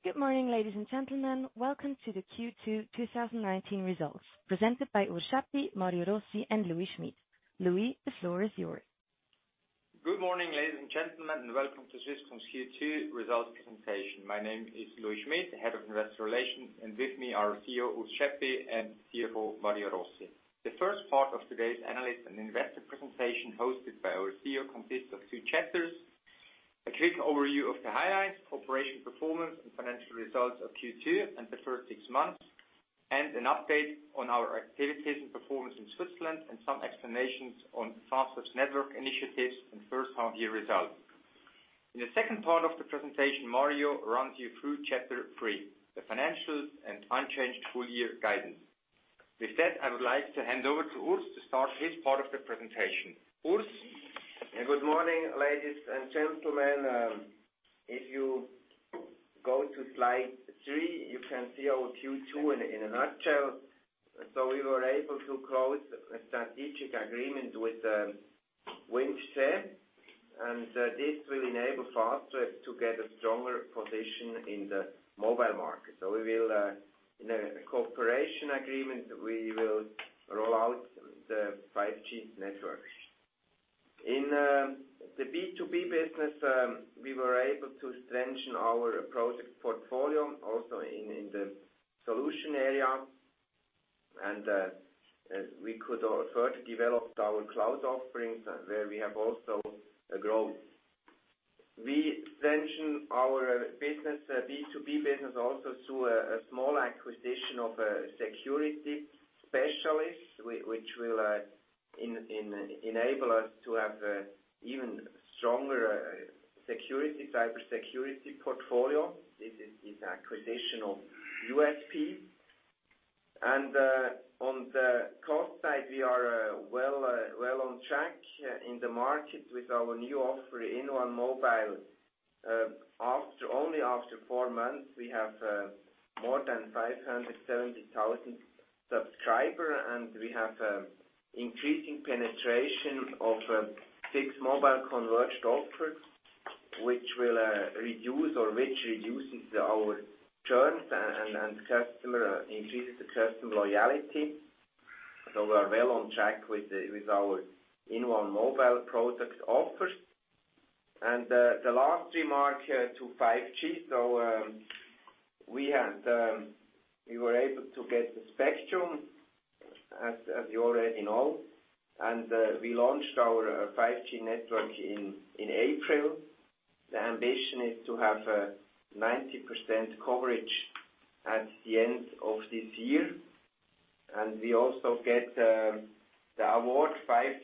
Good morning, ladies and gentlemen. Welcome to the Q2 2019 results presented by Urs Schaeppi, Mario Rossi, and Louis Schmid. Louis, the floor is yours. Good morning, ladies and gentlemen, and welcome to Swisscom's Q2 results presentation. My name is Louis Schmid, Head of Investor Relations, and with me are our CEO, Urs Schaeppi, and CFO, Mario Rossi. The first part of today's analyst and investor presentation hosted by our CEO consists of two chapters. A quick overview of the highlights, operational performance, and financial results of Q2 and the first six months, and an update on our activities and performance in Switzerland and some explanations on Fastweb's network initiatives and first half-year results. In the second part of the presentation, Mario runs you through chapter three, the financials and unchanged full-year guidance. With that, I would like to hand over to Urs to start his part of the presentation. Urs? Good morning, ladies and gentlemen. If you go to slide three, you can see our Q2 in a nutshell. We were able to close a strategic agreement with Wind Tre, and this will enable Fastweb to get a stronger position in the mobile market. In a cooperation agreement, we will roll out the 5G network. In the B2B business, we were able to strengthen our project portfolio also in the solution area. We could further develop our cloud offerings where we have also a growth. We strengthen our B2B business also through a small acquisition of a security specialist, which will enable us to have even stronger cybersecurity portfolio. This is acquisition of USP. On the cost side, we are well on track in the market with our new offer inOne mobile. Only after four months, we have more than 570,000 subscribers. We have increasing penetration of six mobile converged offers, which reduces our churn and increases the customer loyalty. We are well on track with our inOne mobile product offers. The last remark to 5G. We were able to get the spectrum, as you already know, and we launched our 5G network in April. The ambition is to have a 90% coverage at the end of this year. We also get the award, Best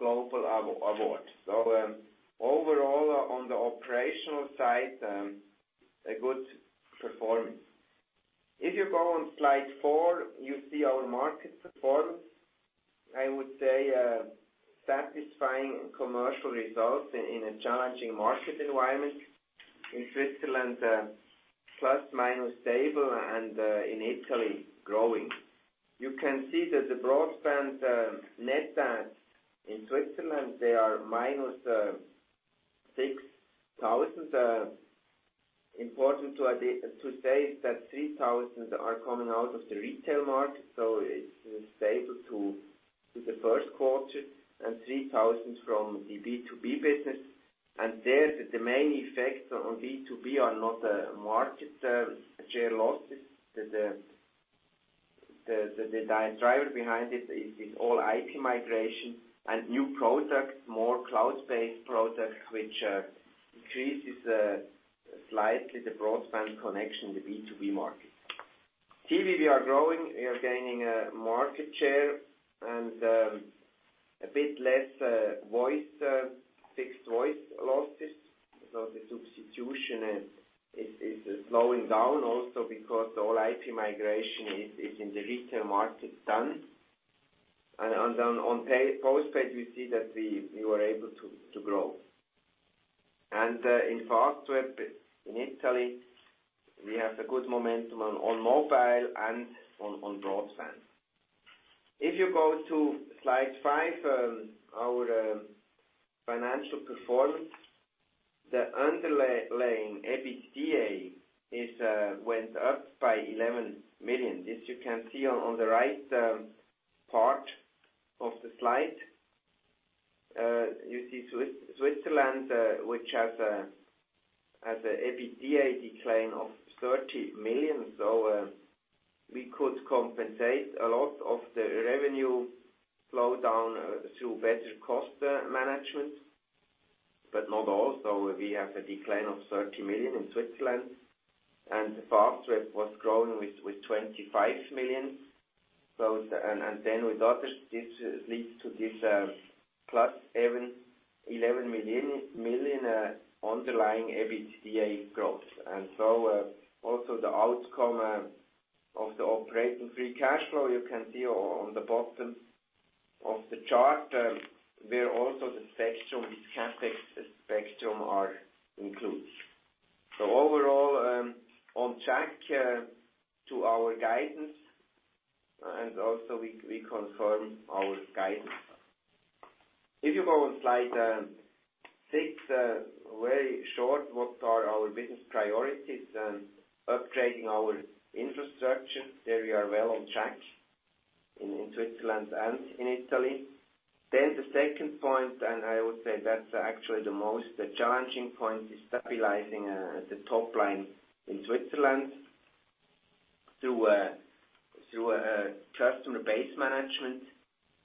5G Network Development in Europe. Overall, on the operational side, a good performance. If you go on slide four, you see our market performance. I would say satisfying commercial results in a challenging market environment. In Switzerland, plus-minus stable, and in Italy, growing. You can see that the broadband net adds in Switzerland, they are minus 6,000. Important to say is that 3,000 are coming out of the retail market, so it's stable to the first quarter and 3,000 from the B2B business. There, the main effects on B2B are not market share losses. The driver behind it is All IP migration and new products, more cloud-based products, which increases slightly the broadband connection in the B2B market. TV, we are growing. We are gaining market share and a bit less fixed voice losses. The substitution is slowing down also because All IP migration is in the retail market done. Then on postpaid, we see that we were able to grow. In Fastweb in Italy, we have a good momentum on mobile and on broadband. If you go to slide five, our financial performance. The underlying EBITDA went up by 11 million. This you can see on the right part of the slide. You see Switzerland, which has an EBITDA decline of 30 million. We could compensate a lot of the revenue slowdown through better cost management, but not all. We have a decline of 30 million in Switzerland, and Fastweb was growing with 25 million. With others, this leads to this plus 11 million underlying EBITDA growth. Also the outcome of the operating free cash flow, you can see on the bottom of the chart, where also the spectrum are included. Overall, on track to our guidance, and also we confirm our guidance. If you go on slide six, very short, what are our business priorities? Upgrading our infrastructure. There we are well on track in Switzerland and in Italy. The second point, I would say that's actually the most challenging point, is stabilizing the top line in Switzerland through customer base management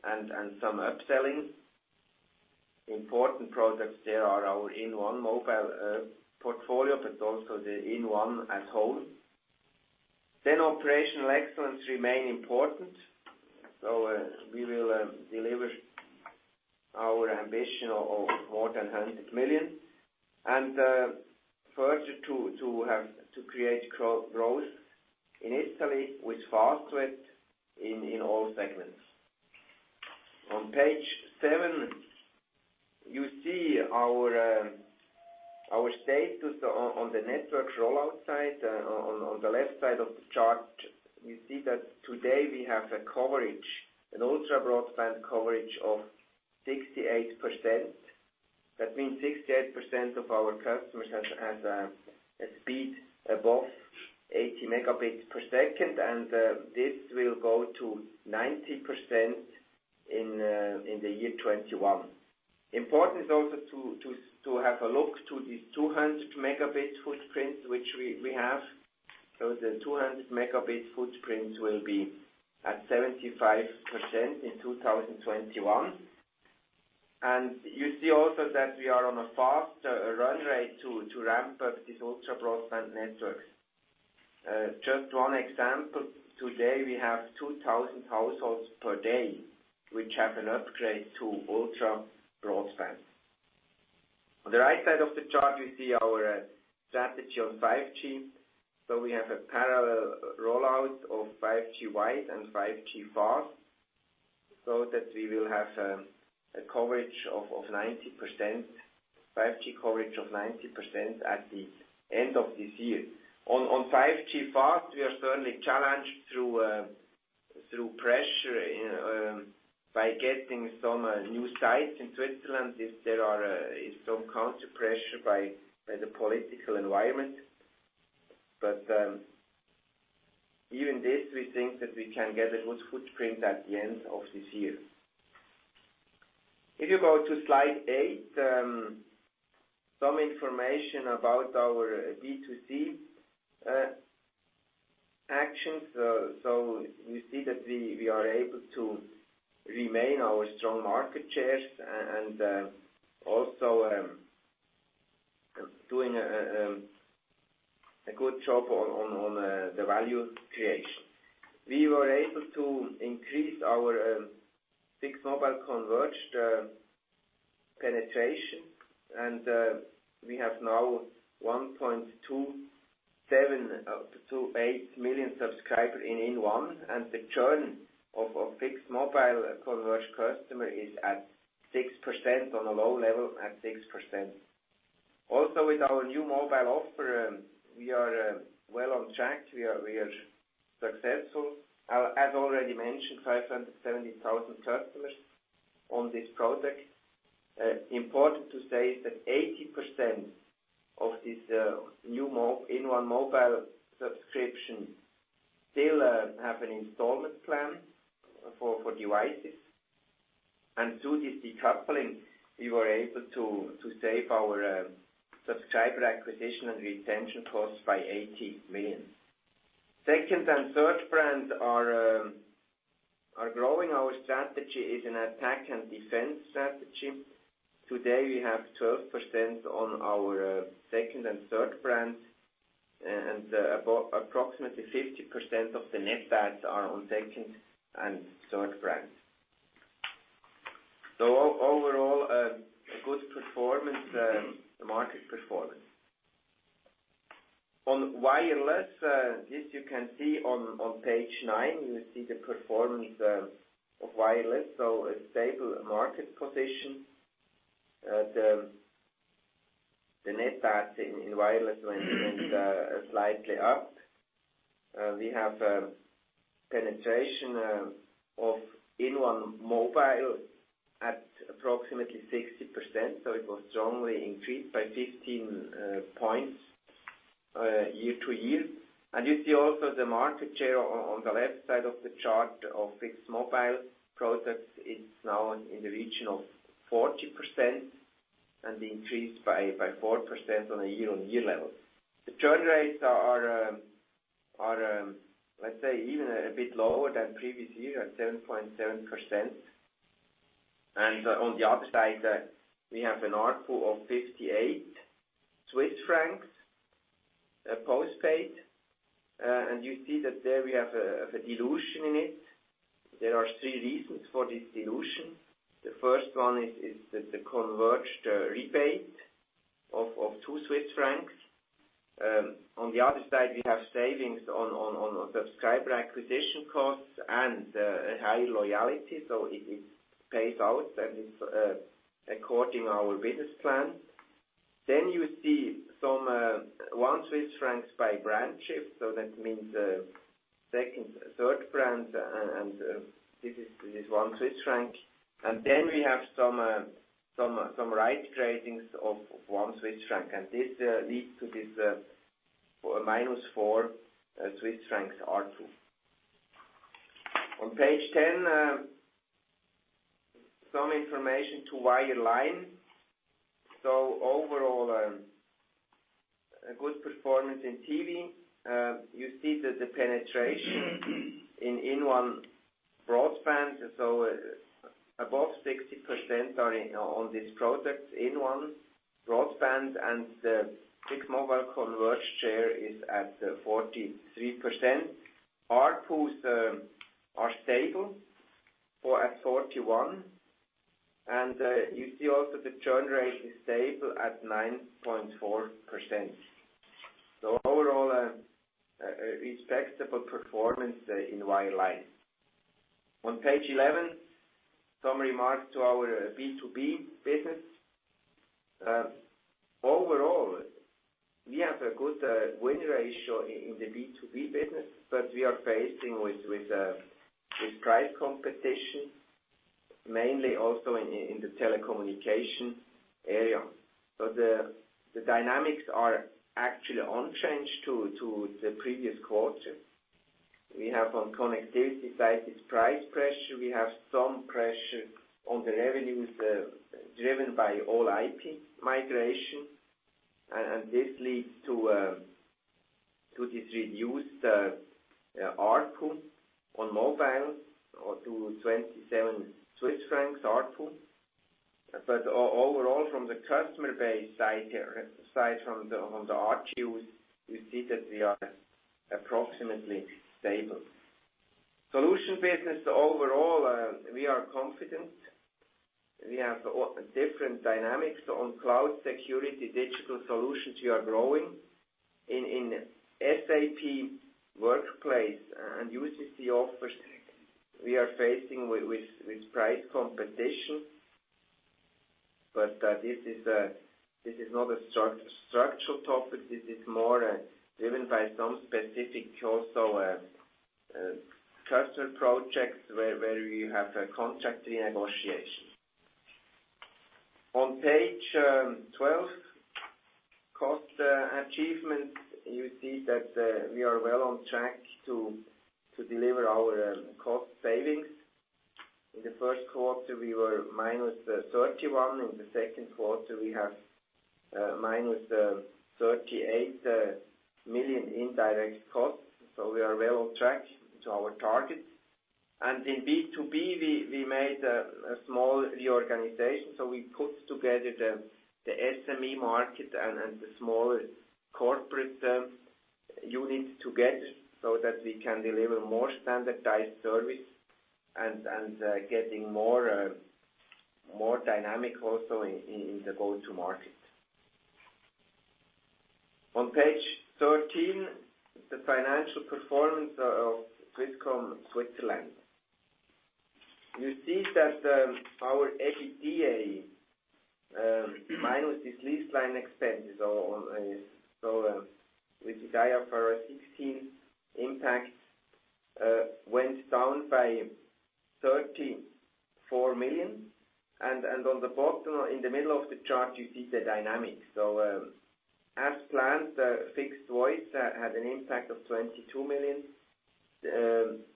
and some upselling. Important products there are our inOne Mobile portfolio, also the inOne home. Operational excellence remain important. We will deliver our ambition of more than 100 million. Further to create growth in Italy with Fastweb in all segments. On page seven, you see our status on the network rollout side. On the left side of the chart, we see that today we have an ultra-broadband coverage of 68%. That means 68% of our customers have a speed above 80 megabits per second, this will go to 90% in the year 2021. Important also to have a look to this 200 megabit footprint which we have. The 200 megabit footprint will be at 75% in 2021. You see also that we are on a faster run rate to ramp up this ultra-broadband network. Just one example, today we have 2,000 households per day which have an upgrade to ultra-broadband. On the right side of the chart, we see our strategy on 5G. We have a parallel rollout of 5G-wide and 5G+, so that we will have a 5G coverage of 90% at the end of this year. On 5G+, we are certainly challenged through pressure by getting some new sites in Switzerland if there are some counter pressure by the political environment. Even this, we think that we can get a good footprint at the end of this year. If you go to slide eight, some information about our B2C actions. You see that we are able to remain our strong market shares and also doing a good job on the value creation. We were able to increase our fixed-mobile converged penetration, and we have now 1.27 to 8 million subscribers in inOne, and the churn of fixed-mobile converged customer is at 6%, on a low level, at 6%. With our new mobile offer, we are well on track. We are successful. As already mentioned, 570,000 customers on this product. Important to say is that 80% of this new inOne mobile subscription still have an installment plan for devices. Through this decoupling, we were able to save our subscriber acquisition and retention costs by 80 million. Second and third brand are growing. Our strategy is an attack and defense strategy. Today, we have 12% on our second and third brand, and approximately 50% of the net adds are on second and third brand. Overall, a good market performance. On wireless, this you can see on page nine. You see the performance of wireless. The net adds in wireless went slightly up. We have a penetration of inOne Mobile at approximately 60%, so it was strongly increased by 15 points year-to-year. You see also the market share on the left side of the chart of fixed mobile products. It's now in the region of 40% and increased by 4% on a year-on-year level. The churn rates are, let's say, even a bit lower than previous year, at 7.7%. On the upside, we have an ARPU of 58 Swiss francs postpaid. You see that there we have a dilution in it. There are three reasons for this dilution. The first one is the converged rebate of two CHF. We have savings on subscriber acquisition costs and high loyalty. It pays out, and it's according our business plan. You see some one CHF by brand shift. That means second, third brand, and this is one CHF. We have some right gradings of one CHF, and this leads to this -4 Swiss francs ARPU. On page 10, some information to wireline. Overall, a good performance in TV. You see that the penetration in inOne broadband, above 60% are on this product, inOne broadband, and the fixed mobile converge share is at 43%. ARPUs are stable at 41. You see also the churn rate is stable at 9.4%. Overall, a respectable performance in wireline. On page 11, some remarks to our B2B business. Overall, we have a good win ratio in the B2B business, but we are facing with price competition, mainly also in the telecommunication area. The dynamics are actually unchanged to the previous quarter. We have on connectivity side this price pressure. We have some pressure on the revenues driven by All IP migration. This leads to this reduced ARPU on mobile to 27 Swiss francs ARPU. Overall, from the customer base side, from the ARPUs, we see that they are approximately stable. Solution business overall, we are confident. We have different dynamics on cloud security. Digital solutions we are growing. In SAP workplace and UCC offers, we are facing with price competition. This is not a structural topic. This is more driven by some specific also customer projects where we have a contract renegotiation. On page 12, cost achievements. You see that we are well on track to deliver our cost savings. In the first quarter, we were minus 31. In the second quarter, we have minus 38 million in direct costs. We are well on track to our targets. In B2B, we made a small reorganization. We put together the SME market and the smaller corporate units together so that we can deliver more standardized service and getting more dynamic also in the go-to market. On page 13, the financial performance of Swisscom Switzerland. You see that our EBITDA, minus this lease line expense. With the IFRS 16 impact, went down by 34 million. On the bottom, in the middle of the chart, you see the dynamics. As planned, the fixed voice had an impact of 22 million.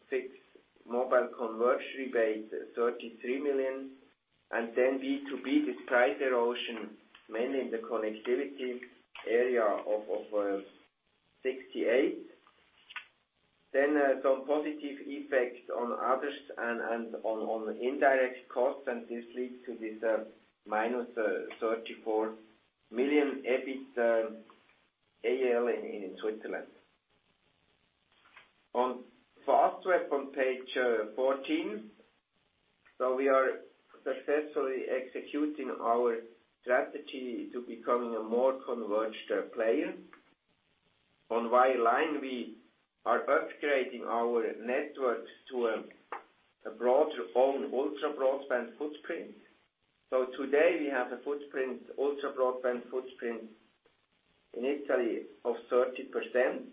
Fixed mobile converge rebate, 33 million. B2B, this price erosion, mainly in the connectivity area of 68. Some positive effects on others and on indirect costs. This leads to this -34 million EBITDA AL in Switzerland. On Fastweb on page 14. We are successfully executing our strategy to becoming a more converged player. On wireline, we are upgrading our network to a broader own ultra-broadband footprint. Today, we have a footprint, ultra-broadband footprint initially of 30%.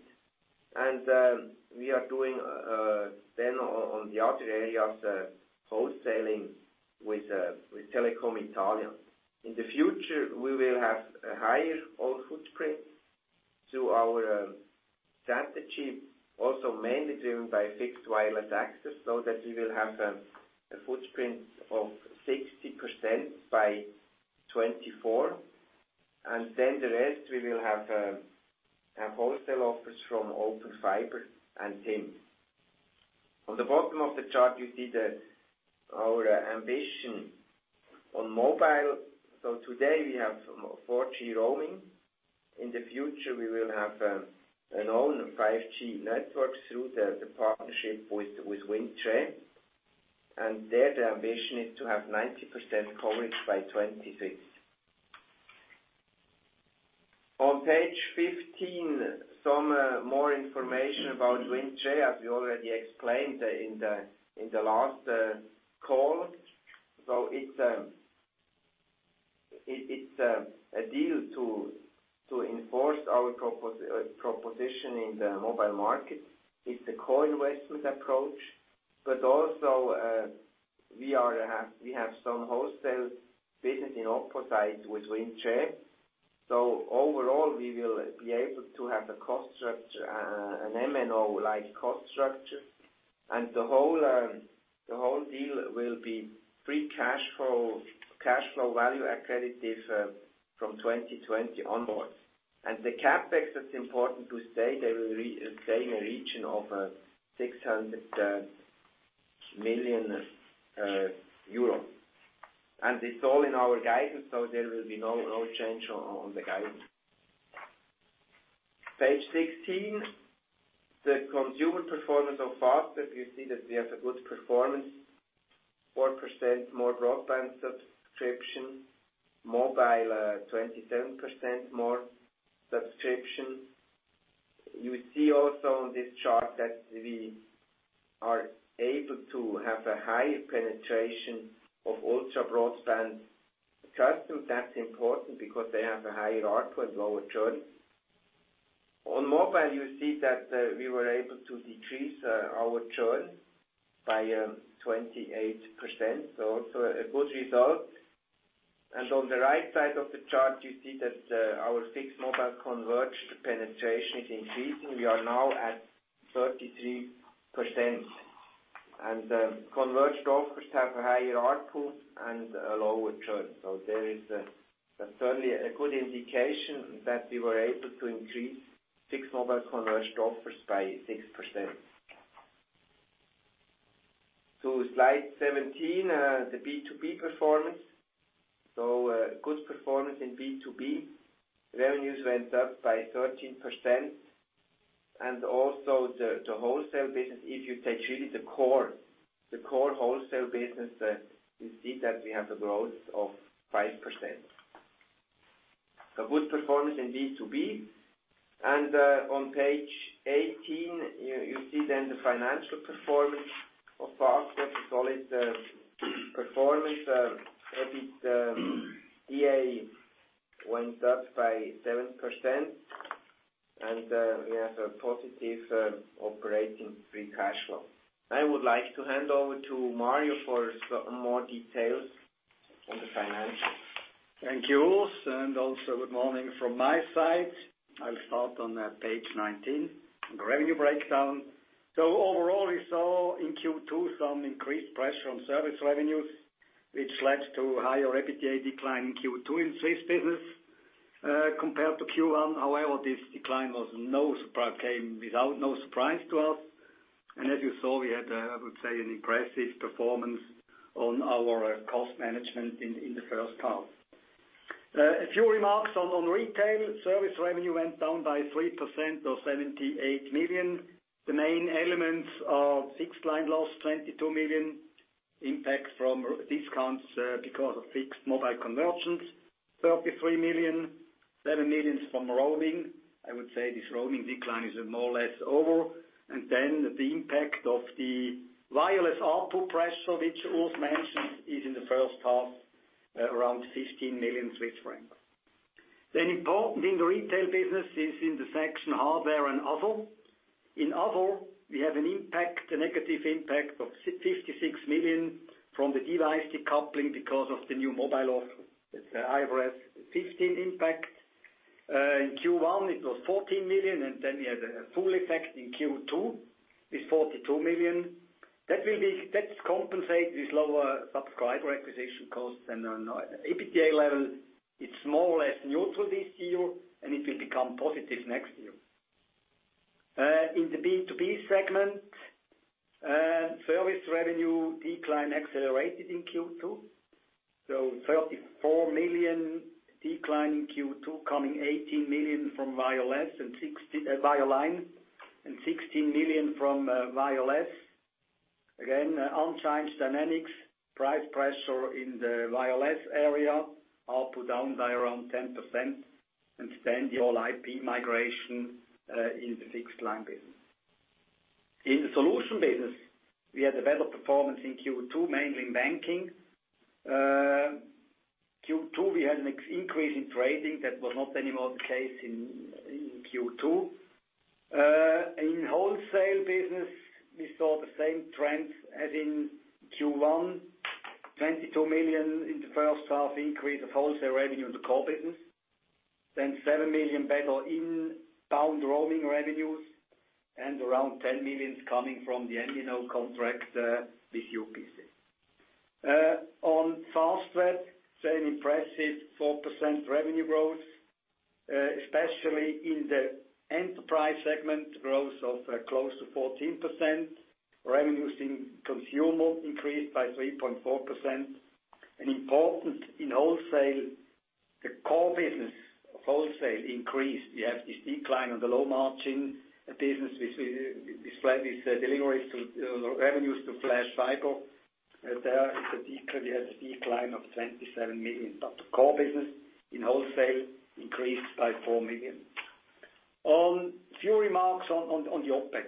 We are doing then on the other areas, wholesaling with Telecom Italia. In the future, we will have a higher own footprint to our strategy, also mainly driven by Fixed Wireless Access, so that we will have a footprint of 60% by 2024. The rest, we will have a wholesale office from Open Fiber and TIM. On the bottom of the chart, you see that our ambition on mobile. Today, we have 4G roaming. In the future, we will have an own 5G network through the partnership with Wind Tre. There, the ambition is to have 90% coverage by 2026. On page 15, some more information about Wind Tre, as we already explained in the last call. It's a deal to enforce our proposition in the mobile market. It's a co-investment approach, but also we have some wholesale business in Open Fiber with Wind Tre. Overall, we will be able to have an MVNO-like cost structure. The whole deal will be free cash flow value accretive from 2020 onwards. The CapEx, that's important to say, they will stay in a region of 600 million euro. It's all in our guidance, so there will be no change on the guidance. Page 16. The consumer performance of Fastweb. You see that we have a good performance, 4% more broadband subscription, mobile 27% more subscription. You see also on this chart that we are able to have a high penetration of ultra-broadband customers. That's important because they have a higher ARPU and lower churn. On mobile, you see that we were able to decrease our churn by 28%. Also a good result. On the right side of the chart, you see that our fixed mobile converged penetration is increasing. We are now at 33%. The converged offers have a higher ARPU and a lower churn. There is certainly a good indication that we were able to increase fixed mobile converged offers by 6%. To slide 17, the B2B performance. A good performance in B2B. Revenues went up by 13%. Also the wholesale business, if you take really the core wholesale business, you see that we have a growth of 5%. A good performance in B2B. On page 18, you see then the financial performance of Fastweb. A solid performance. EBITDA went up by 7%, and we have a positive operating free cash flow. I would like to hand over to Mario for more details on the financials. Thank you, Urs. Also good morning from my side. I'll start on page 19, the revenue breakdown. Overall, we saw in Q2 some increased pressure on service revenues, which led to higher EBITDA decline in Q2 in Swiss business compared to Q1. However, this decline came without no surprise to us. As you saw, we had, I would say, an impressive performance on our cost management in the first half. A few remarks on retail. Service revenue went down by 3% or 78 million. The main elements are fixed line loss 22 million, impact from discounts because of fixed mobile convergence 33 million, 7 million from roaming. I would say this roaming decline is more or less over. The impact of the wireless ARPU pressure, which Urs mentioned, is in the first half around 15 million Swiss francs. Important in the retail business is in the section hardware and other. In other, we have a negative impact of 56 million from the device decoupling because of the new mobile offer. It's the IFRS 15 impact. In Q1, it was 14 million, we had a full effect in Q2 with 42 million. That compensates these lower subscriber acquisition costs. On an EBITDA level, it's more or less neutral this year, and it will become positive next year. In the B2B segment, service revenue decline accelerated in Q2. 34 million decline in Q2, coming 18 million from wireline and 16 million from wireless. Again, unchanged dynamics. Price pressure in the wireless area, ARPU down by around 10%, the All IP migration in the fixed line business. In the solution business, we had a better performance in Q2, mainly in banking. Q2, we had an increase in trading. That was not anymore the case in Q2. In wholesale business, we saw the same trend as in Q1. 22 million in the first half increase of wholesale revenue in the core business. 7 million better inbound roaming revenues, and around 10 million coming from the MNO contract with UPC. On Fastweb, an impressive 4% revenue growth, especially in the enterprise segment, growth of close to 14%. Revenues in consumer increased by 3.4%. Important in wholesale, the core business of wholesale increased. We have this decline on the low margin business. We expect these deliveries revenues to Flash Fiber. There is a decline of 27 million. The core business in wholesale increased by 4 million. On few remarks on the OpEx.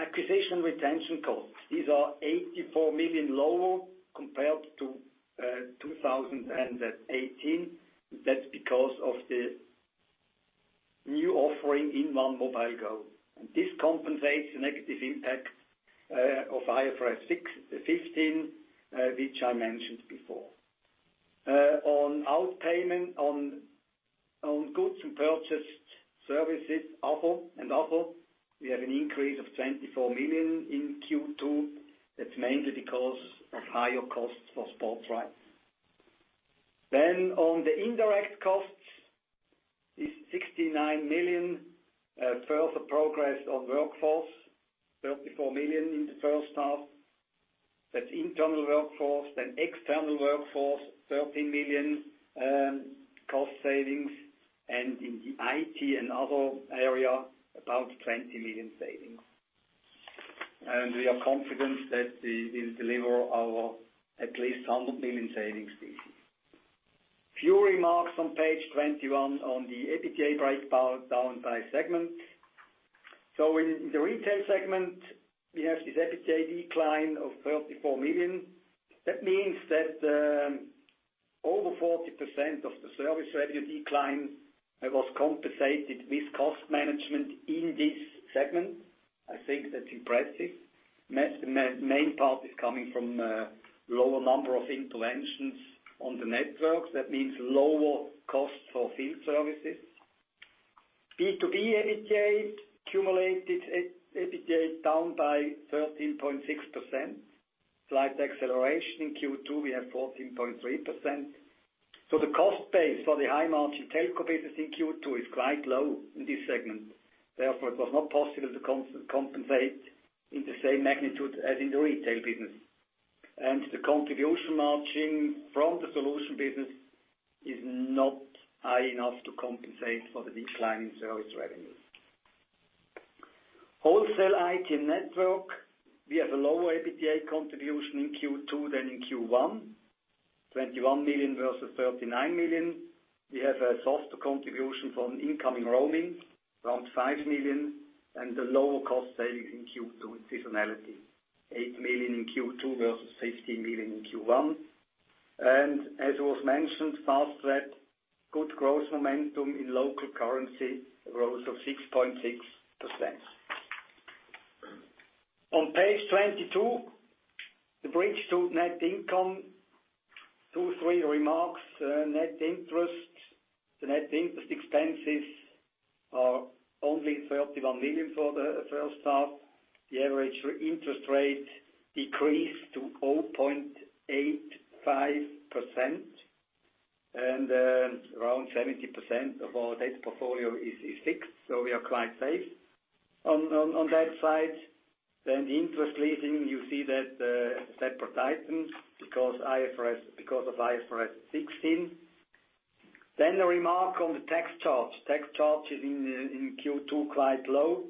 Acquisition retention costs. These are 84 million lower compared to 2018. That's because of the new offering inOne mobile go. This compensates the negative impact of IFRS 15, which I mentioned before. On out-payment, on goods and purchased services, other and other, we have an increase of 24 million in Q2. That's mainly because of higher costs for sports rights. On the indirect costs, is 69 million. Further progress on workforce, 34 million in the first half. That's internal workforce. External workforce, 13 million cost savings. In the IT and other area, about 20 million savings. We are confident that we'll deliver our at least 100 million savings this year. Few remarks on page 21 on the EBITDA breakdown by segment. In the retail segment, we have this EBITDA decline of 34 million. That means that over 40% of the service revenue decline was compensated with cost management in this segment. I think that's impressive. Main part is coming from lower number of interventions on the networks. That means lower costs for field services. B2B EBITDA, cumulated EBITDA is down by 13.6%. Slight acceleration in Q2, we have 14.3%. The cost base for the high-margin telco business in Q2 is quite low in this segment. Therefore, it was not possible to compensate in the same magnitude as in the retail business. The contribution margin from the solution business is not high enough to compensate for the decline in service revenue. Wholesale IT network, we have a lower EBITDA contribution in Q2 than in Q1. 21 million versus 39 million. We have a softer contribution from incoming roaming, around 5 million, and the lower cost savings in Q2 is seasonality. 8 million in Q2 versus 15 million in Q1. As was mentioned, Fastweb, good growth momentum in local currency, a growth of 6.6%. On page 22, the bridge to net income. Two, three remarks. Net interest. The net interest expenses are only 31 million for the first half. The average interest rate decreased to 0.85%. Around 70% of our debt portfolio is fixed, so we are quite safe on that side. The interest leasing, you see that separate items because of IFRS 16. A remark on the tax charge. Tax charge is in Q2, quite low.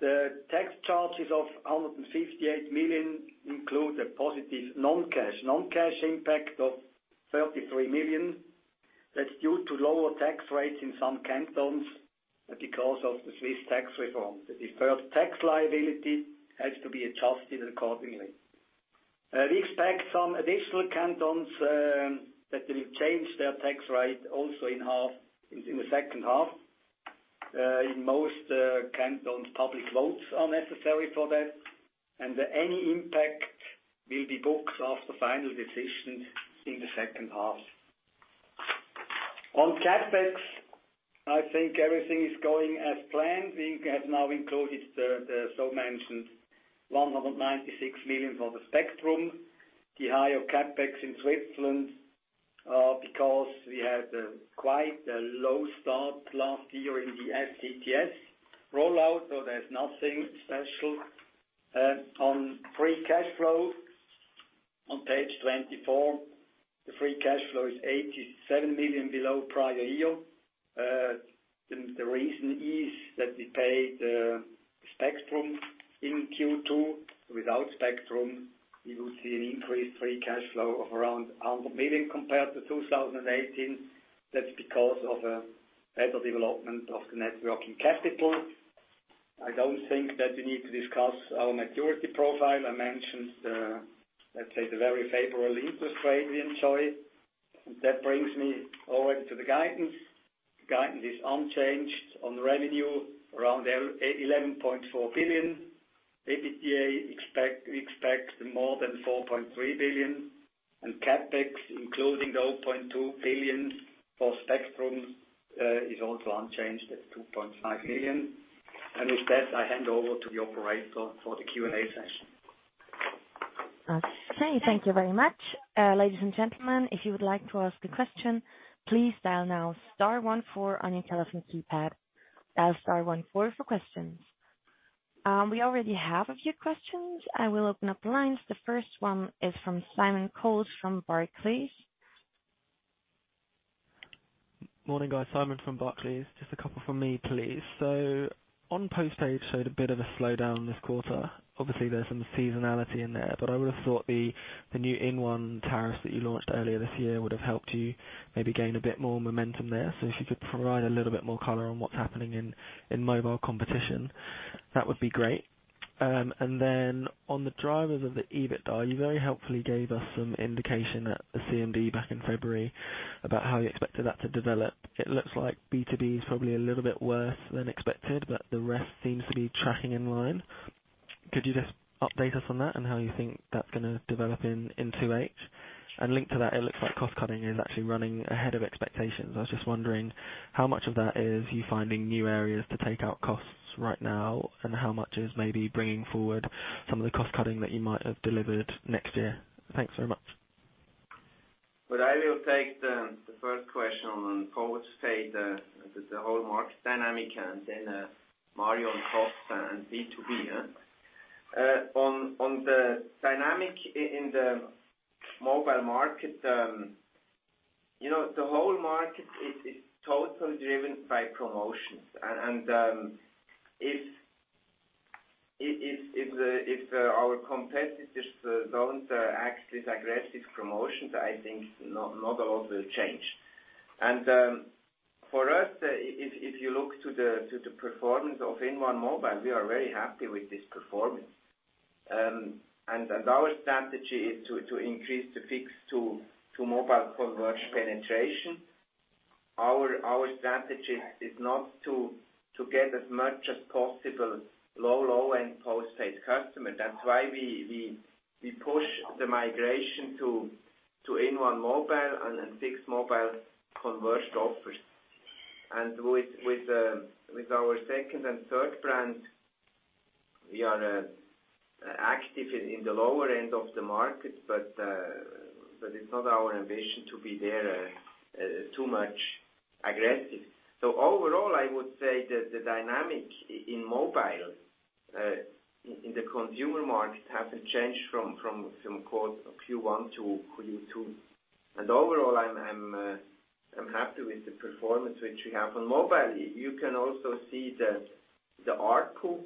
The tax charges of 158 million include a positive non-cash. Non-cash impact of 33 million. That's due to lower tax rates in some cantons because of the Swiss tax reform. The deferred tax liability has to be adjusted accordingly. We expect some additional cantons that will change their tax rate also in the second half. In most cantons, public votes are necessary for that, and any impact will be booked after final decision in the second half. On CapEx, I think everything is going as planned. We have now included the so-mentioned 196 million for the spectrum. The higher CapEx in Switzerland, because we had quite a low start last year in the FTTS rollout, so there's nothing special. On operating free cash flow, on page 24. The operating free cash flow is 87 million below prior year. The reason is that we paid the spectrum in Q2. Without spectrum, we would see an increased operating free cash flow of around 100 million compared to 2018. That's because of a better development of the net working capital. I don't think that we need to discuss our maturity profile. I mentioned the, let's say, the very favorable interest rate we enjoy. That brings me over to the guidance. Guidance is unchanged on revenue around 11.4 billion. EBITDA, we expect more than 4.3 billion. CapEx, including the 0.2 billion for spectrum, is also unchanged at 2.5 billion. With that, I hand over to the operator for the Q&A session. Okay, thank you very much. Ladies and gentlemen, if you would like to ask a question, please dial now star one four on your telephone keypad. Dial star one four for questions. We already have a few questions. I will open up the lines. The first one is from Simon Coles from Barclays. Morning, guys. Simon from Barclays. Just a couple from me, please. On postpaid showed a bit of a slowdown this quarter. Obviously, there's some seasonality in there, but I would've thought the new inOne tariff that you launched earlier this year would've helped you maybe gain a bit more momentum there. If you could provide a little bit more color on what's happening in mobile competition, that would be great. On the drivers of the EBITDA, you very helpfully gave us some indication at the CMD back in February about how you expected that to develop. It looks like B2B is probably a little bit worse than expected, but the rest seems to be tracking in line. Could you just update us on that and how you think that's going to develop in 2H? Linked to that, it looks like cost-cutting is actually running ahead of expectations. I was just wondering how much of that is you finding new areas to take out costs right now, and how much is maybe bringing forward some of the cost-cutting that you might have delivered next year. Thanks very much. Well, I will take the first question on postpaid, the whole market dynamic, and then Mario on cost and B2B. On the dynamic in the mobile market, the whole market is totally driven by promotions. If our competitors don't act with aggressive promotions, I think not a lot will change. For us, if you look to the performance of inOne mobile, we are very happy with this performance. Our strategy is to increase the fixed to mobile converged penetration. Our strategy is not to get as much as possible low-end postpaid customer. That's why we push the migration to inOne mobile and then fixed mobile converged offers. With our second and third brands, we are active in the lower end of the market. It's not our ambition to be there too much aggressive. Overall, I would say that the dynamic in mobile in the consumer market hasn't changed from Q1 to Q2. Overall, I'm happy with the performance which we have on mobile. You can also see the ARPU.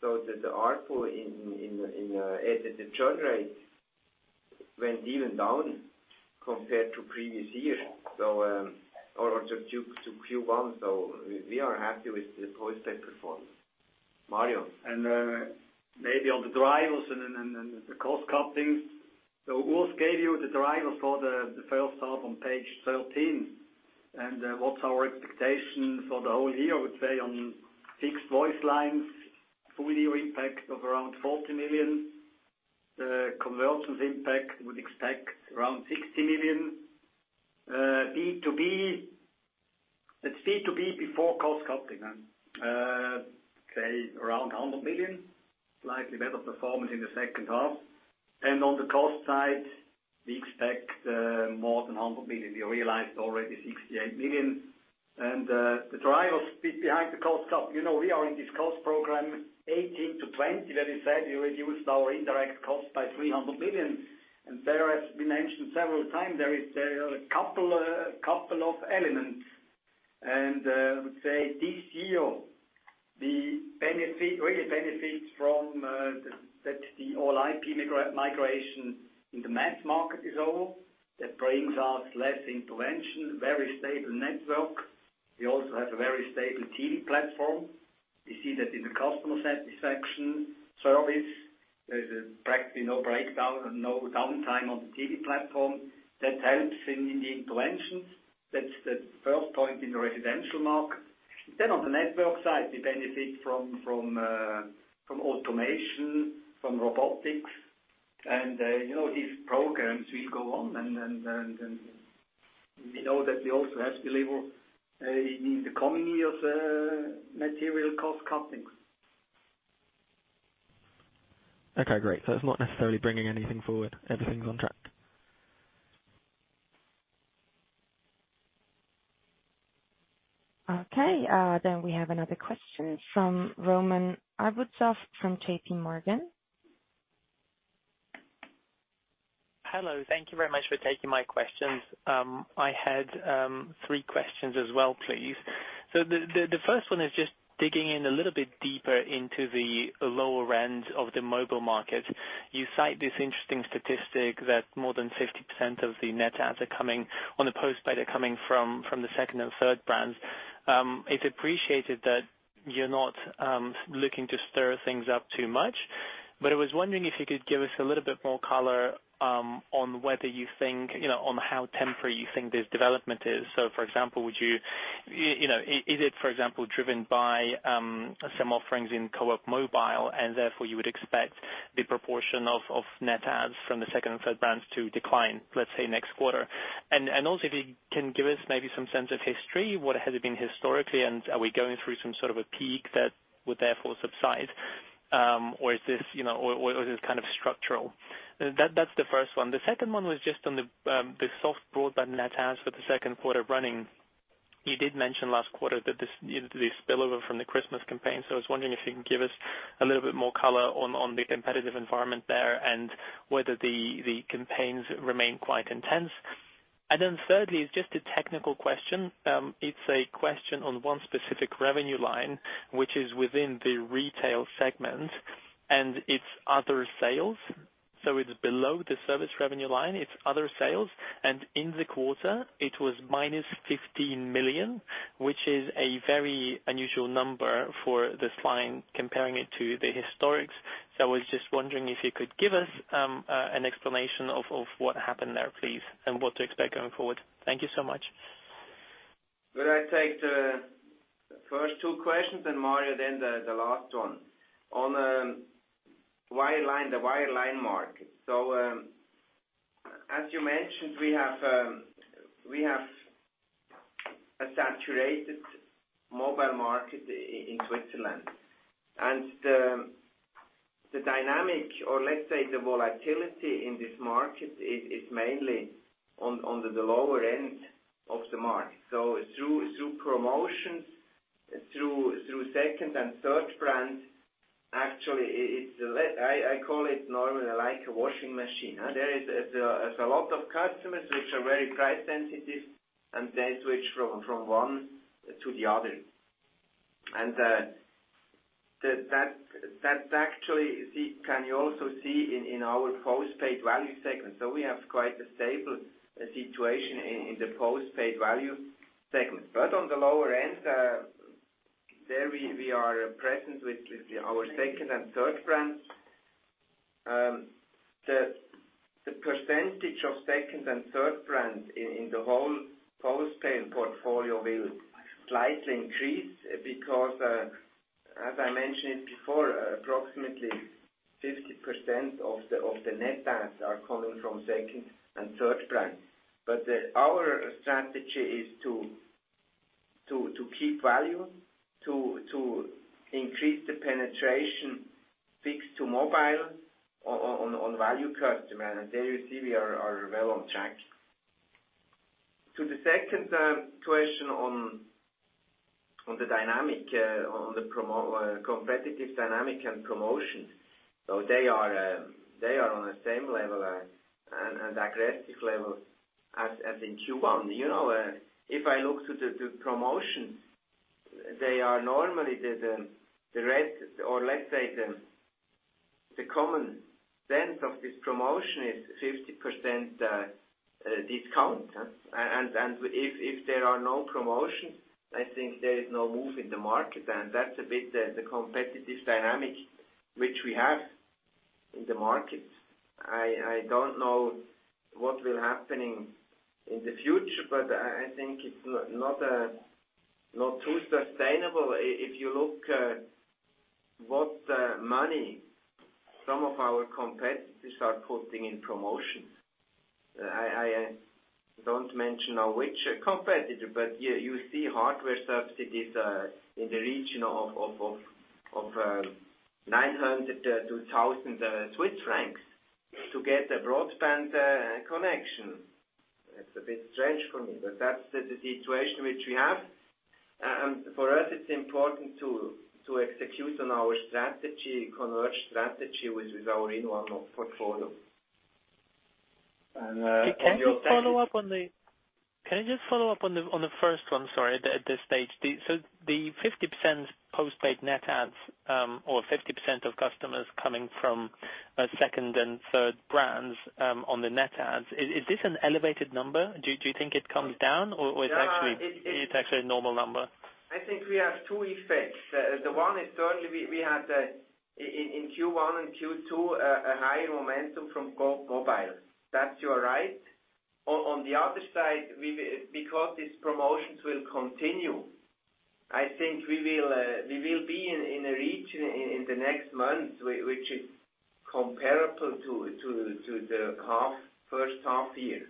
The ARPU and churn rate went even down compared to previous years or to Q1, so we are happy with the postpaid performance. Mario. Maybe on the drivers and the cost-cutting. Urs gave you the drivers for the first half on page 13. What's our expectation for the whole year? I would say on fixed voice lines, full-year impact of around 40 million. Convergence impact, we'd expect around 60 million. B2B before cost-cutting, say around 100 million, slightly better performance in the second half. On the cost side, we expect more than 100 million. We realized already 68 million. The drivers behind the cost cut. We are in this cost program 2018 to 2020, that is said we reduced our indirect cost by 300 million. There, as we mentioned several times, there are a couple of elements. I would say this year, we benefit from that the All IP migration in the mass market is over. That brings us less intervention, very stable network. We also have a very stable TV platform. We see that in the customer satisfaction surveys. There is practically no breakdown and no downtime on the TV platform. That helps in the interventions. That's the first point in the residential market. On the network side, we benefit from automation, from robotics. These programs will go on, and we know that we also have to deliver in the coming years material cost-cutting. Okay, great. It's not necessarily bringing anything forward. Everything's on track. Okay. We have another question from Roman Arbuzov from JP Morgan. Hello. Thank you very much for taking my questions. I had three questions as well, please. The first one is just digging in a little bit deeper into the lower end of the mobile market. You cite this interesting statistic that more than 50% of the net adds are coming on the postpaid are coming from the second and third brands. It's appreciated that you're not looking to stir things up too much, but I was wondering if you could give us a little bit more color on how temporary you think this development is. For example, is it, for example, driven by some offerings in Coop Mobile, and therefore you would expect the proportion of net adds from the second and third brands to decline, let's say, next quarter? Also, if you can give us maybe some sense of history. What has it been historically, and are we going through some sort of a peak that would therefore subside? Or is this kind of structural? That's the first one. The second one was just on the soft broadband net adds for the second quarter running. You did mention last quarter that the spillover from the Christmas campaign. I was wondering if you can give us a little bit more color on the competitive environment there, and whether the campaigns remain quite intense. Thirdly, it's just a technical question. It's a question on one specific revenue line, which is within the retail segment, and it's other sales. It's below the service revenue line. It's other sales, and in the quarter, it was minus 15 million, which is a very unusual number for this line, comparing it to the historics. I was just wondering if you could give us an explanation of what happened there, please, and what to expect going forward. Thank you so much. Could I take the first two questions and Mario then the last one. On the wireline mark. As you mentioned, we have a saturated mobile market in Switzerland. The dynamic or let's say the volatility in this market is mainly on the lower end of the market. Through promotions, through second and third brands. Actually, I call it normally like a washing machine. There is a lot of customers which are very price sensitive, and they switch from one to the other. That actually can you also see in our postpaid value segment. We have quite a stable situation in the postpaid value segment. On the lower end, there we are present with our second and third brands. The percentage of second and third brands in the whole postpaid portfolio will slightly increase, because as I mentioned before, approximately 50% of the net adds are coming from second and third brands. Our strategy is to keep value, to increase the penetration fixed to mobile on value customer. There you see we are well on track. To the second question on the competitive dynamic and promotions. They are on the same level and aggressive level as in Q1. If I look to the promotions, they are normally the rate or let's say, the common sense of this promotion is 50% discount. If there are no promotions, I think there is no move in the market, and that's a bit the competitive dynamic which we have in the market. I don't know what will happen in the future. I think it's not too sustainable. If you look what money some of our competitors are putting in promotions. I don't mention now which competitor, but you see hardware subsidies in the region of 900-1,000 Swiss francs to get a broadband connection. That's a bit strange for me. That's the situation which we have. For us, it's important to execute on our strategy, converge strategy with our inOne portfolio. Can you follow up on the first one? Sorry, at this stage. The 50% postpaid net adds or 50% of customers coming from second and third brands on the net adds. Is this an elevated number? Do you think it comes down or it's actually a normal number? I think we have two effects. The one is certainly we had in Q1 and Q2, a higher momentum from mobile. That you are right. On the other side, because these promotions will continue, I think we will be in a region in the next months, which is comparable to the first half year.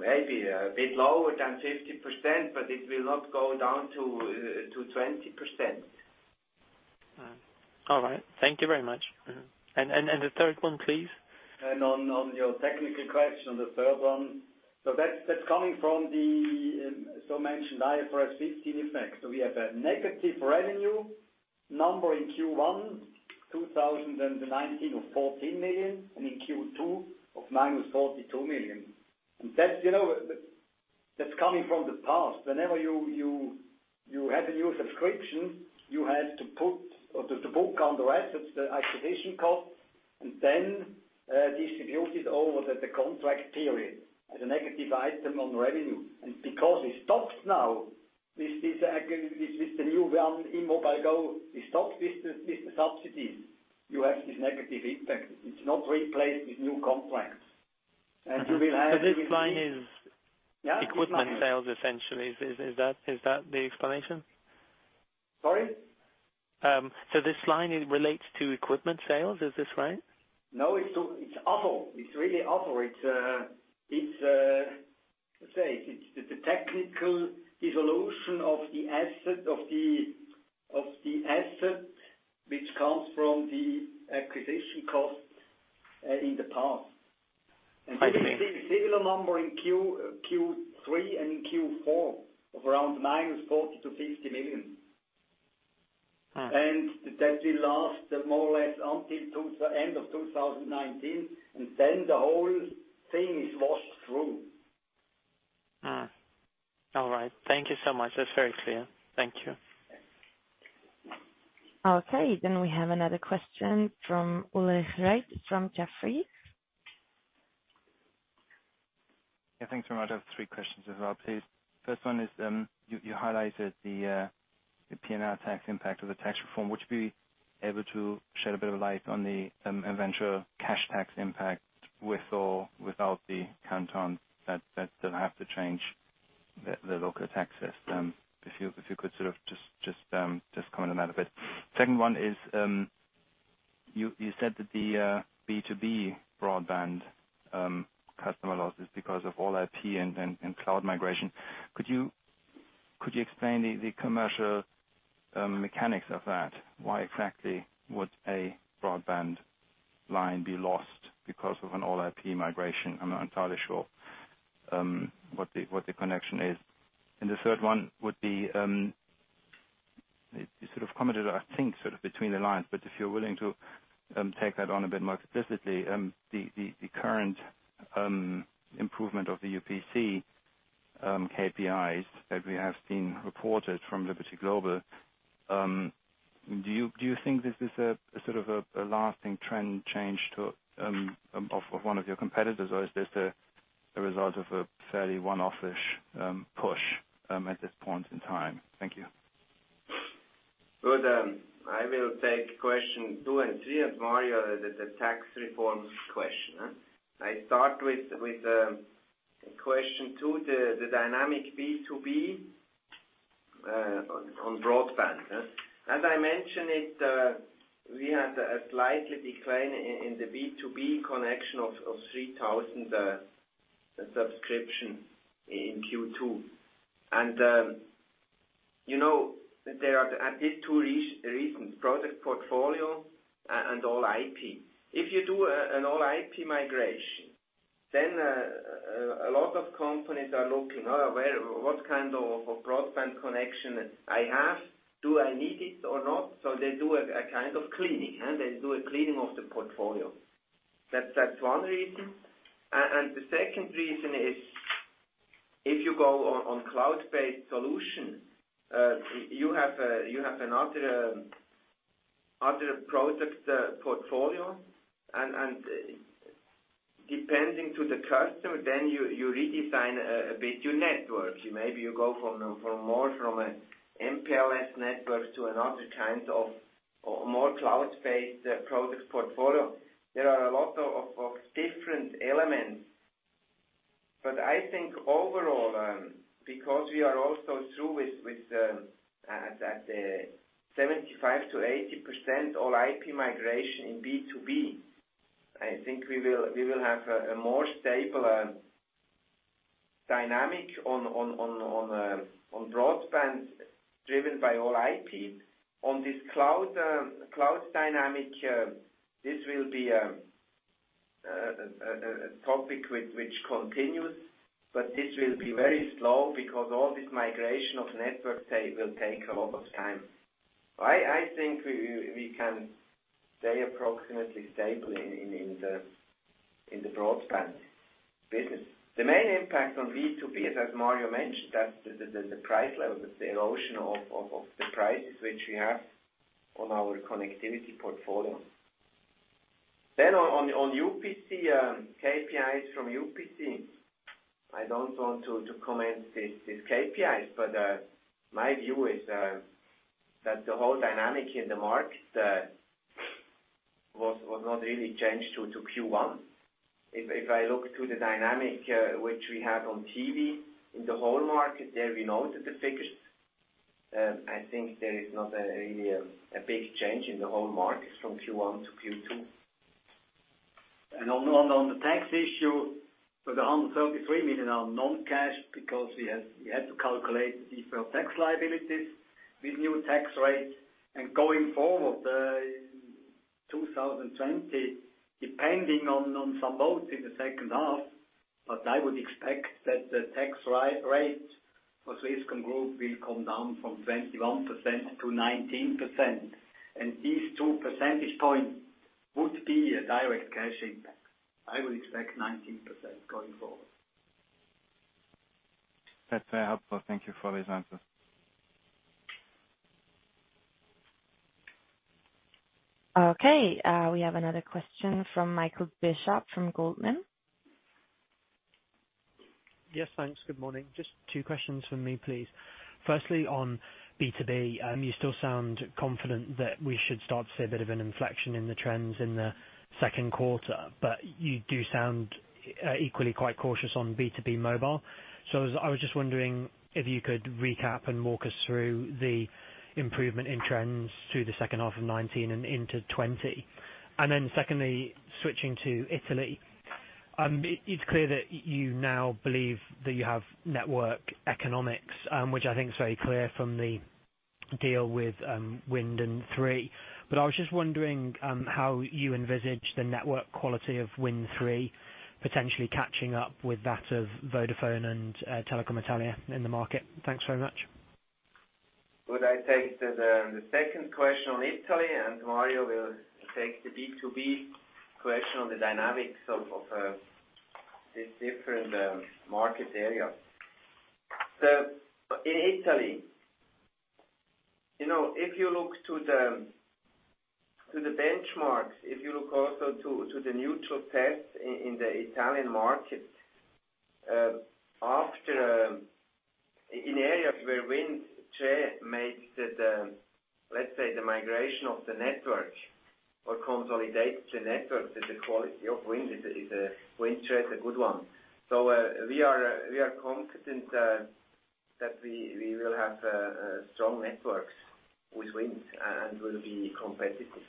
Maybe a bit lower than 50%, but it will not go down to 20%. All right. Thank you very much. The third one, please. On your technical question, the third one. That's coming from the so-mentioned IFRS 15 effect. We have a negative revenue number in Q1 2019 of 14 million, and in Q2 of minus 42 million. That's coming from the past. Whenever you had a new subscription, you had to book on the assets, the acquisition cost, and then distribute it over the contract period as a negative item on revenue. Because it stops now, with the new one, inOne mobile go, we stop this subsidy. You have this negative impact. It's not replaced with new contracts. You will have. this line Yeah equipment sales, essentially. Is that the explanation? Sorry? This line relates to equipment sales, is this right? No, it's other. It's really other. Say it's the technical dissolution of the asset which comes from the acquisition cost. In the past. I see. We will see a similar number in Q3 and Q4 of around minus 40 million - 50 million. That will last more or less until end of 2019, and then the whole thing is washed through. All right. Thank you so much. That's very clear. Thank you. We have another question from Ulrich Rathe from Jefferies. Yeah, thanks very much. I have three questions as well, please. First one is, you highlighted the P&L tax impact of the tax reform. Would you be able to shed a bit of light on the eventual cash tax impact with or without the cantons that have to change the local tax system? If you could just comment on that a bit. Second one is, you said that the B2B broadband customer loss is because of All IP and cloud migration. Could you explain the commercial mechanics of that? Why exactly would a broadband line be lost because of an All IP migration? I'm not entirely sure what the connection is. The third one would be, you sort of commented, I think, sort of between the lines, but if you're willing to take that on a bit more explicitly, the current improvement of the UPC KPIs that we have seen reported from Liberty Global, do you think this is a lasting trend change of one of your competitors, or is this a result of a fairly one-off-ish push at this point in time? Thank you. Good. I will take question two and three, and Mario, the tax reform question. I start with question two, the dynamic B2B on broadband. As I mentioned it, we had a slight decline in the B2B connection of 3,000 subscription in Q2. There are at least two reasons: product portfolio and All IP. If you do an All IP migration, then a lot of companies are looking, "Oh, well, what kind of a broadband connection I have? Do I need it or not?" They do a kind of cleaning. They do a cleaning of the portfolio. That's one reason. The second reason is, if you go on cloud-based solution, you have another product portfolio, and depending to the customer, then you redesign a bit your network. Maybe you go from more from a MPLS network to another kind of more cloud-based product portfolio. There are a lot of different elements. I think overall, because we are also through with at 75%-80% All IP migration in B2B, I think we will have a more stable dynamic on broadband driven by All IP. On this cloud dynamic, this will be a topic which continues, but this will be very slow because all this migration of network will take a lot of time. I think we can stay approximately stable in the broadband business. The main impact on B2B is, as Mario mentioned, that's the price level, the erosion of the prices which we have on our connectivity portfolio. On UPC, KPIs from UPC, I don't want to comment these KPIs, but my view is that the whole dynamic in the market was not really changed to Q1. If I look to the dynamic which we have on TV in the whole market, there we noted the figures. I think there is not really a big change in the whole market from Q1 to Q2. On the tax issue, for the 133 million are non-cash because we had to calculate deferred tax liabilities with new tax rates. Going forward, in 2020, depending on some votes in the second half, but I would expect that the tax rate for Swisscom group will come down from 21% to 19%. These two percentage points would be a direct cash impact. I would expect 19% going forward. That's very helpful. Thank you for those answers. Okay. We have another question from Michael Bishop from Goldman. Yes, thanks. Good morning. Just two questions from me, please. Firstly, on B2B, you still sound confident that we should start to see a bit of an inflection in the trends in the second quarter, but you do sound equally quite cautious on B2B mobile. I was just wondering if you could recap and walk us through the improvement in trends through the second half of 2019 and into 2020. Secondly, switching to Italy. It's clear that you now believe that you have network economics, which I think is very clear from the deal with Wind Tre. I was just wondering how you envisage the network quality of Wind Tre potentially catching up with that of Vodafone and Telecom Italia in the market. Thanks very much. Good. I take the second question on Italy, and Mario will take the B2B question on the dynamics of the different market area. In Italy, if you look to the benchmarks, if you look also to the neutral tests in the Italian market, in areas where Wind Tre makes the, let's say, the migration of the network or consolidates the network, that the quality of Wind Tre is a good one. We are confident that we will have strong networks with Wind and we'll be competitive.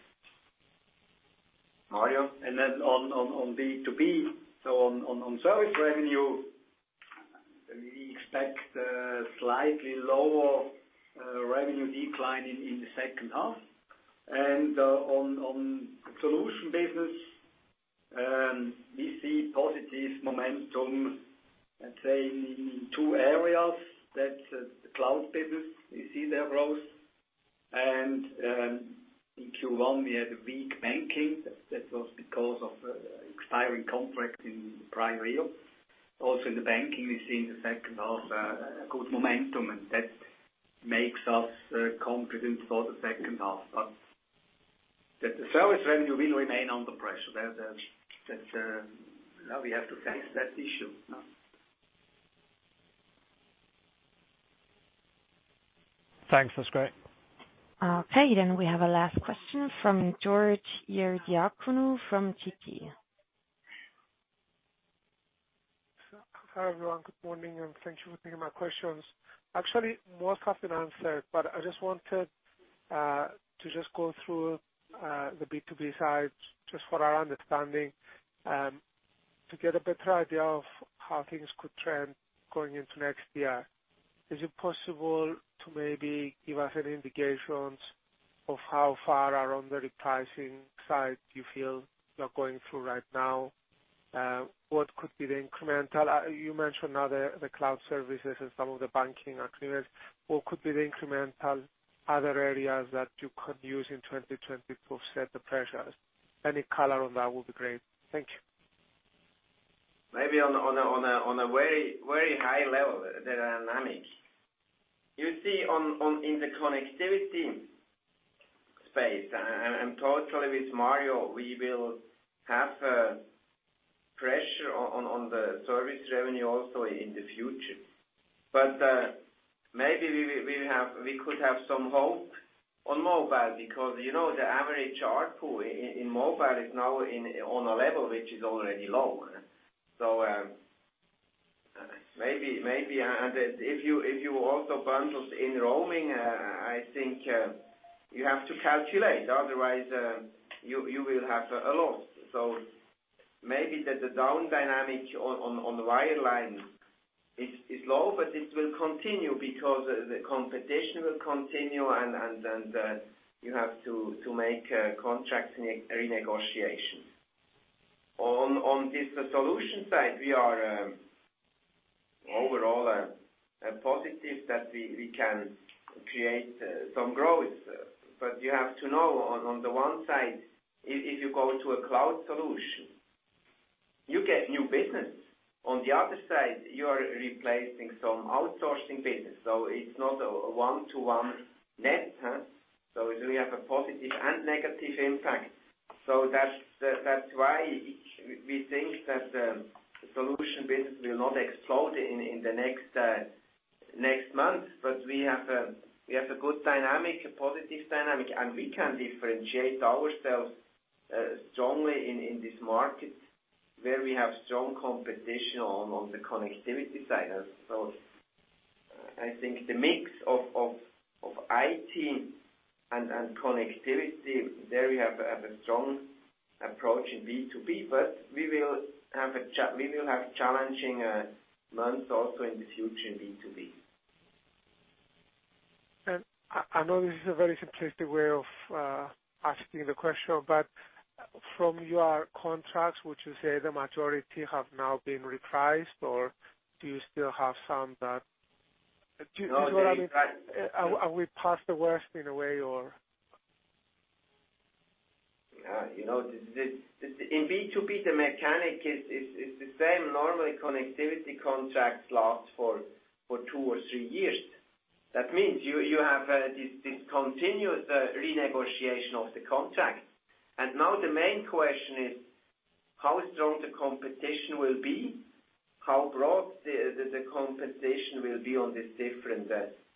Mario? On B2B, on service revenue, we expect slightly lower revenue decline in the second half. On solution business, we see positive momentum, let's say, in two areas. That's the cloud business. We see there growth. In Q1, we had a weak banking. That was because of expiring contracts in prior year. Also in the banking, we see in the second half a good momentum, and that makes us confident for the second half. The service revenue will remain under pressure. That we have to face that issue. Thanks. That's great. Okay. We have our last question from George Ierodiakonou from Citi. Hi, everyone. Good morning, and thank you for taking my questions. Actually, most have been answered, but I just wanted to just go through the B2B side, just for our understanding. To get a better idea of how things could trend going into next year, is it possible to maybe give us an indication of how far around the repricing side you feel you're going through right now? What could be the incremental? You mentioned now the cloud services and some of the banking are clear. What could be the incremental other areas that you could use in 2020 to offset the pressures? Any color on that would be great. Thank you. Maybe on a very high level, the dynamic you see in the connectivity space, totally with Mario, we will have pressure on the service revenue also in the future. Maybe we could have some hope on mobile, because the average ARPU in mobile is now on a level which is already low. Maybe if you also bundle in roaming, I think you have to calculate, otherwise you will have a loss. Maybe that the down dynamic on the wireline is low, but it will continue because the competition will continue and then you have to make contract renegotiation. On this solution side, we are overall positive that we can create some growth. You have to know, on the one side, if you go to a cloud solution, you get new business. On the other side, you are replacing some outsourcing business. It's not a one-to-one net. We have a positive and negative impact. That's why we think that the solution business will not explode in the next month. We have a good dynamic, a positive dynamic, and we can differentiate ourselves strongly in this market where we have strong competition on the connectivity side. I think the mix of IT and connectivity, there we have a strong approach in B2B, but we will have challenging months also in the future in B2B. I know this is a very simplistic way of asking the question, but from your contracts, would you say the majority have now been repriced, or do you still have some that-. No, the- Are we past the worst in a way, or? In B2B, the mechanic is the same. Normally, connectivity contracts last for two or three years. That means you have this continuous renegotiation of the contract. Now the main question is, how strong the competition will be, how broad the competition will be on these different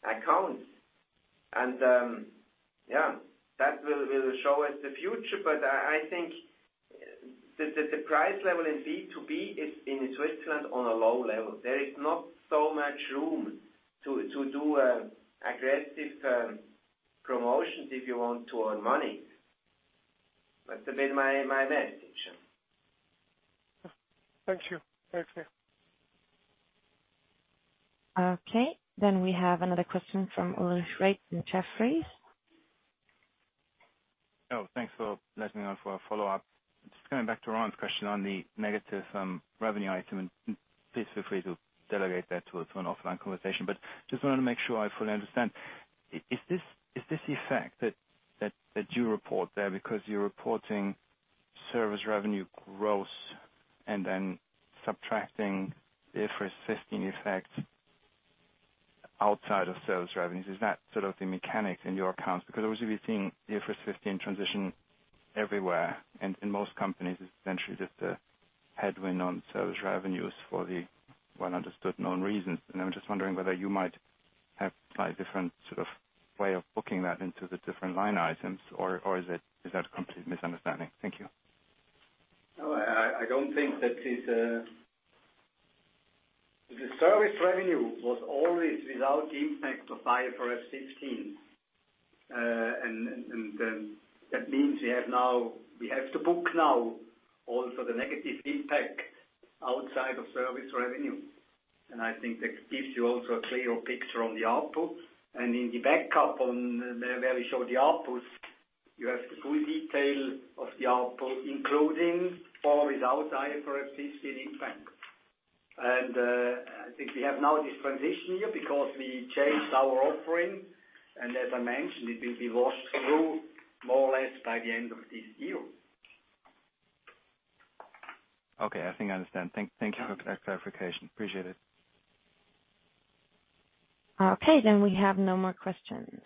accounts? Yeah, that will show us the future. I think the price level in B2B is in Switzerland on a low level. There is not so much room to do aggressive pricing. Promotions, if you want to earn money. That's a bit my bad impression. Thank you. Okay, we have another question from Ulrich Rathe from Jefferies. Thanks for letting me on for a follow-up. Coming back to Roman's question on the negative revenue item, please feel free to delegate that to us for an offline conversation. Wanted to make sure I fully understand. Is this effect that you report there because you're reporting service revenue gross and then subtracting the IFRS 16 effect outside of sales revenues? Is that sort of the mechanics in your accounts? Obviously we're seeing the IFRS 16 transition everywhere, in most companies, it's essentially just a headwind on sales revenues for the well-understood known reasons. I'm wondering whether you might have a slightly different sort of way of booking that into the different line items, is that a complete misunderstanding? Thank you. The service revenue was always without the impact of IFRS 16. That means we have to book now also the negative impact outside of service revenue. I think that gives you also a clearer picture on the output. In the backup on where we show the outputs, you have the full detail of the output, including for without IFRS 16 impact. I think we have now this transition here because we changed our offering, and as I mentioned, it will be washed through more or less by the end of this year. Okay, I think I understand. Thank you for that clarification. Appreciate it. Okay, we have no more questions.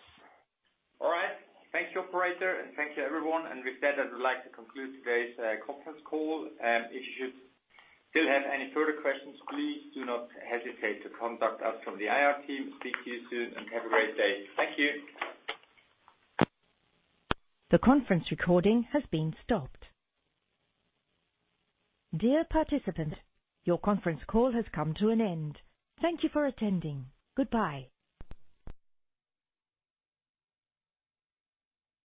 All right. Thank you, operator, and thank you, everyone. With that, I would like to conclude today's conference call. If you should still have any further questions, please do not hesitate to contact us from the IR team. Speak to you soon and have a great day. Thank you. The conference recording has been stopped. Dear participant, your conference call has come to an end. Thank you for attending. Goodbye.